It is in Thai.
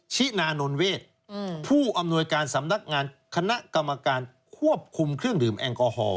ชินานนเวทผู้อำนวยการสำนักงานคณะกรรมการควบคุมเครื่องดื่มแอลกอฮอล